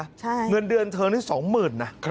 ค่ะใช่เงินเดือนเธอนิดสองหมื่นนะ